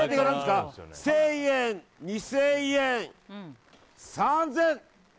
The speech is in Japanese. １０００円、２０００円３０００円！